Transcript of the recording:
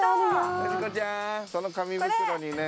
その紙袋にね